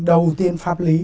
đầu tiên phát triển